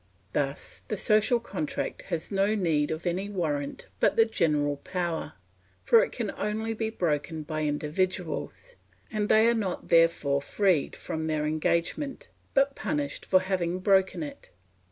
Thus the social contract has no need of any warrant but the general power, for it can only be broken by individuals, and they are not therefore freed from their engagement, but punished for having broken it.